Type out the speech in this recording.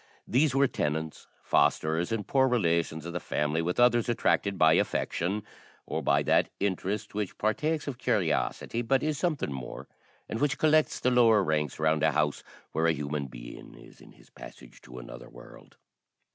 These were tenants, fosterers, and poor relations of the family, with others attracted by affection, or by that interest which partakes of curiosity, but is something more, and which collects the lower ranks round a house where a human being is in his passage to another world.